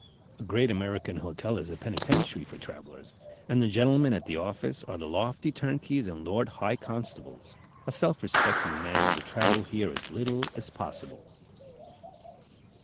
A great American hotel is a penitentiary for travellers, and the gentlemen at the office are the lofty turnkeys and lord high constables. A self respecting man will travel here as little as possible."